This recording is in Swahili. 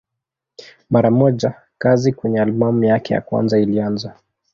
Mara moja kazi kwenye albamu yake ya kwanza ilianza.